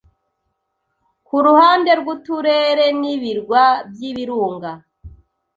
Kuruhande rwuturere nibirwa byibirunga